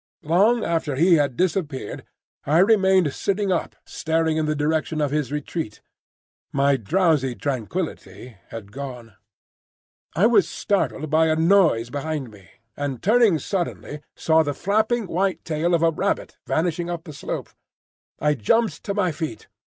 Long after he had disappeared, I remained sitting up staring in the direction of his retreat. My drowsy tranquillity had gone. I was startled by a noise behind me, and turning suddenly saw the flapping white tail of a rabbit vanishing up the slope. I jumped to my feet.